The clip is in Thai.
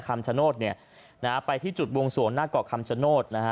คำชโนธเนี่ยนะฮะไปที่จุดบวงสวงหน้าเกาะคำชโนธนะฮะ